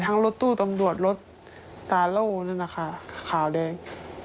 ทั้งรถตู้ตำรวจรถตาเล่านั่นแหละค่ะขาวแดง